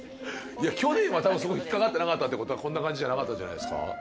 去年はそこ引っ掛かってなかったってことはこんな感じじゃなかったじゃないですか。